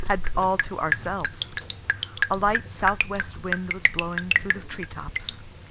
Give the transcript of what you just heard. had all to ourselves. A light south west wind was blowing through the tree tops.